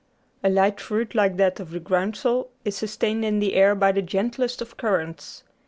A light fruit like that of the groundsel is sustained in the air by the gentlest of currents.